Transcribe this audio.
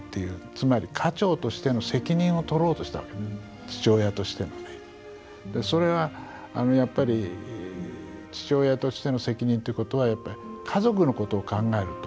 つまり家長としての責任を取ろうとしたわけ父親としてのね。それがやっぱり父親としての責任っていうことは家族のことを考えると。